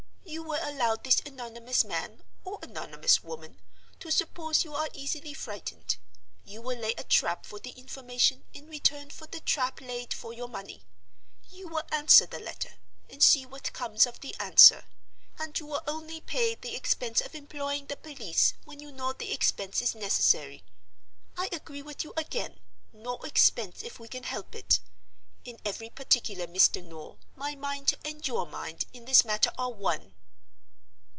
You will allow this anonymous man, or anonymous woman, to suppose you are easily frightened; you will lay a trap for the information in return for the trap laid for your money; you will answer the letter, and see what comes of the answer; and you will only pay the expense of employing the police when you know the expense is necessary. I agree with you again—no expense, if we can help it. In every particular, Mr. Noel, my mind and your mind in this matter are one."